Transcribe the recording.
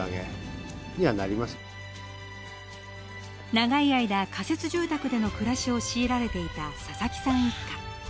長い間、仮設住宅での暮らしを強いられていた佐々木さん一家。